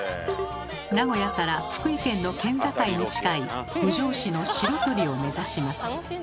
名古屋から福井県の県境に近い郡上市の白鳥を目指します。